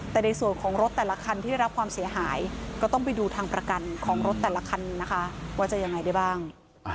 แต่ในส่วนของรถแต่ละคันที่ได้รับความเสียหายก็ต้องไปดูทางประกันของรถแต่ละคันนะคะว่าจะยังไงได้บ้าง